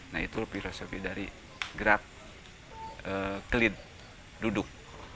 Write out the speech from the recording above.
nah itu filosofi dari gerak kelit duduk